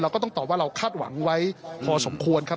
ก็ต้องตอบว่าเราคาดหวังไว้พอสมควรครับ